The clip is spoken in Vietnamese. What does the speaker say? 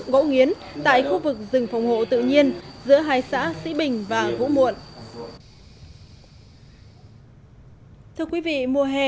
gỗ nghiến tại khu vực rừng phòng hộ tự nhiên giữa hai xã sĩ bình và vũ muộn thưa quý vị mùa hè